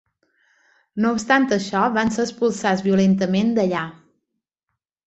No obstant això, van ser expulsats violentament d'allà.